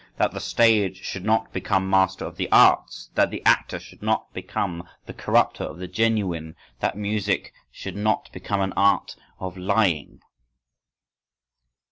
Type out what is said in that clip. That the stage should not become master of the arts. That the actor should not become the corrupter of the genuine. _That music should not become an art of lying.